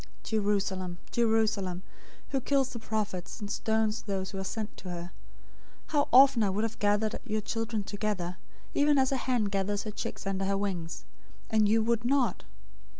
023:037 "Jerusalem, Jerusalem, who kills the prophets, and stones those who are sent to her! How often I would have gathered your children together, even as a hen gathers her chicks under her wings, and you would not!